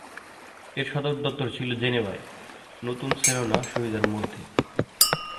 এর সদর দপ্তর ছিল জেনেভায়, নতুন সেরোনো সুবিধার মধ্যে।